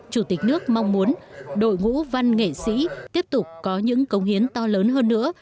chủ tịch nước mong muốn đội ngũ văn nghệ sĩ tiếp tục có những công hiến to lớn hơn nữa